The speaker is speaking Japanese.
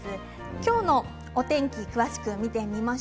今日のお天気を詳しく見ていきます。